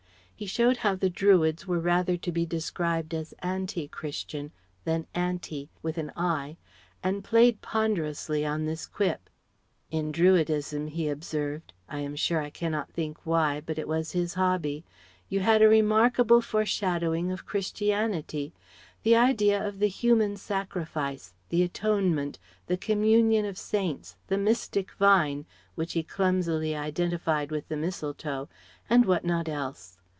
He showed how the Druids were rather to be described as Ante Christian than Anti with an i; and played ponderously on this quip. In Druidism, he observed I am sure I cannot think why, but it was his hobby you had a remarkable foreshadowing of Christianity; the idea of the human sacrifice, the Atonement, the Communion of Saints, the mystic Vine, which he clumsily identified with the mistletoe, and what not else.